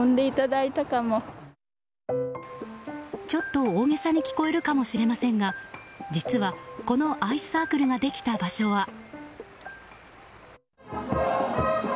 ちょっと大げさに聞こえるかもしれませんが実は、このアイスサークルができた場所は。